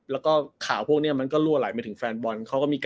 แล้วก็ข่าวพวกนี้มันก็รั่วไหลไปถึงแฟนบอล